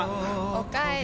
おかえり。